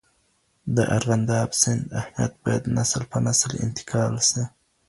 د ارغنداب سیند اهمیت باید نسل په نسل انتقال سي.